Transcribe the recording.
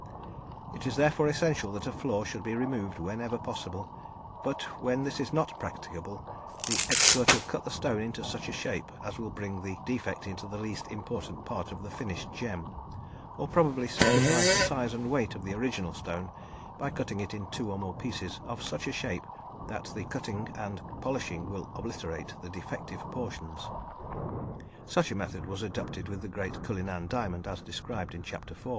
It is therefore essential that a flaw should be removed whenever possible, but, when this is not practicable, the expert will cut the stone into such a shape as will bring the defect into the least important part of the finished gem, or probably sacrifice the size and weight of the original stone by cutting it in two or more pieces of such a shape that the cutting and polishing will obliterate the defective portions. Such a method was adopted with the great Cullinan diamond, as described in Chapter IV.